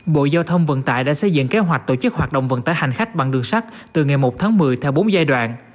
bộ giao thông vận tải đã xây dựng kế hoạch tổ chức hoạt động vận tải hành khách bằng đường sắt từ ngày một tháng một mươi theo bốn giai đoạn